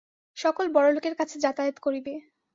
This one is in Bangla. সকল বড়লোকের কাছে যাতায়াত করিবে।